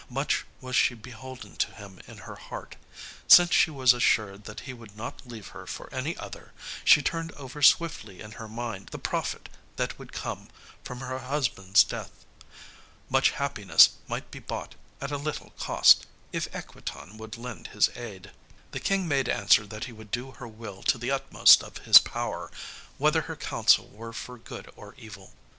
Much was she beholden to him in her heart. Since she was assured that he would not leave her for any other, she turned over swiftly in her mind the profit that would come from her husband's death. Much happiness might be bought at a little cost, if Equitan would lend his aid. The King made answer that he would do her will to the utmost of his power, whether her counsel were for good or evil.